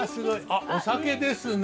あっお酒ですね。